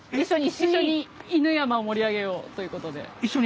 一緒に犬山を盛り上げようということで。